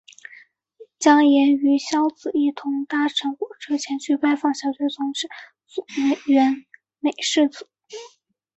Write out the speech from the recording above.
将也与硝子一同搭乘火车前去拜访小学同学佐原美世子。